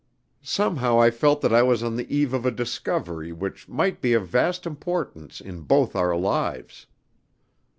Somehow I felt that I was on the eve of a discovery which might be of vast importance in both our lives.